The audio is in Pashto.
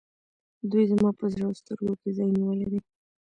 دوی زما په زړه او سترګو کې ځای نیولی دی.